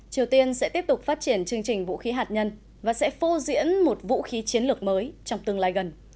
triều tiên sẽ tiếp tục phát triển chương trình vũ khí hạt nhân và sẽ phô diễn một vũ khí chiến lược mới trong tương lai gần